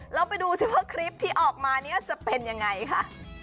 เราไปดูสิว่าคลิปที่ออกมาเนี่ยจะเป็นยังไงค่ะ